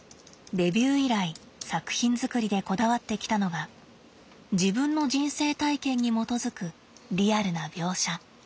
デビュー以来作品作りでこだわってきたのが自分の人生体験に基づくリアルな描写。